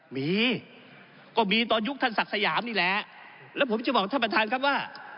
มีก็มีตอนยุคท่านศักดิ์สยามนี่แหละแล้วผมจะบอกท่านประธานครับว่า